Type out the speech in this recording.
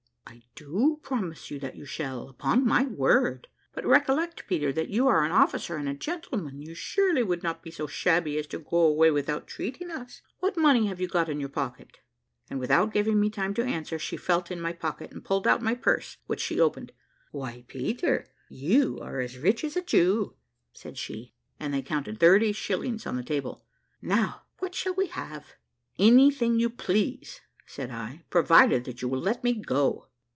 "I do promise you that you shall, upon my word, but recollect, Peter, that you are an officer and a gentleman you surely would not be so shabby as to go away without treating us. What money have you got in your pocket?" and, without giving me time to answer, she felt in my pocket, and pulled out my purse, which she opened. "Why, Peter, you are as rich as a Jew," said she, as they counted thirty shillings on the table. "Now what shall we have?" "Anything you please," said I, "provided that you will let me go."